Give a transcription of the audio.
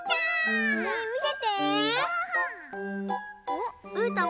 おっうーたん